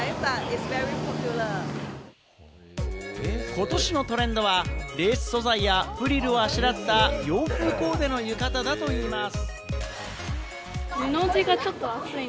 ことしのトレンドはレース素材やフリルをあしらった洋風コーデの浴衣だといいます。